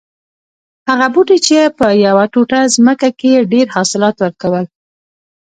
هغه بوټی چې په یوه ټوټه ځمکه کې یې ډېر حاصلات ور کول